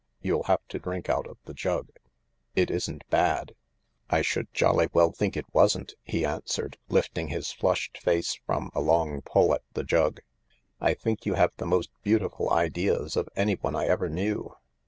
You'll have to drink out of the jug. It isn't bad." " I should jolly well think it wasn't !" he answered* lifting his flushed face from a long pull at the jug. " I think you have the most beautiful ideas of anyone I ever knew.